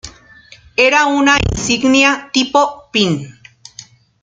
Era una insignia tipo "pin".